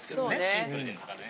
シンプルですからね。